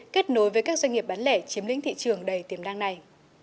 kết nối với các doanh nghiệp bán lẻ chiếm lĩnh thị trường đầy tiềm năng này